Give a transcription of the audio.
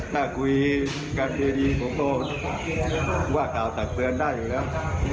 ถ้าคุยกันดีผมก็ว่ากล่าวตักเตือนได้อยู่แล้ว